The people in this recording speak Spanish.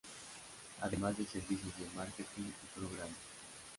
Ademas de servicios de marketing y programas.